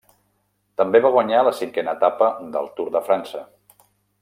També va guanyar la cinquena etapa del Tour de França.